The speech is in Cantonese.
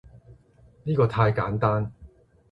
依個太簡單